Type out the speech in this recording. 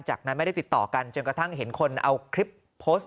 จากนั้นไม่ได้ติดต่อกันจนกระทั่งเห็นคนเอาคลิปโพสต์